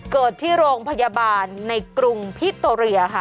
เกิดที่โรงพยาบาลในกรุงพิโตเรียค่ะ